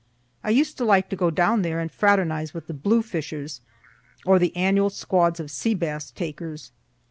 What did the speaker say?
I used to like to go down there and fraternize with the blue fishers, or the annual squads of sea bass takers.